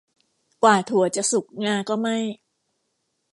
กว่าถั่วจะสุกงาก็ไหม้